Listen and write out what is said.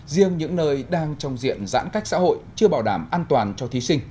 riêng những nơi đang trong diện giãn cách xã hội chưa bảo đảm an toàn cho thí sinh